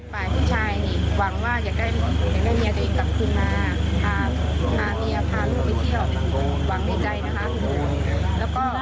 ฝ่ายหญิงอ่ะควบกับใครทั้งที่รู้นั่นในใจรู้อยู่ว่าเขาควบอยู่